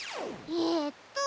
えっと。